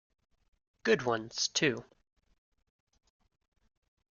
Good ones too.